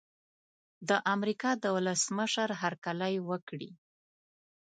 د امریکا د ولسمشر هرکلی وکړي.